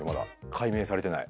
解明されてない。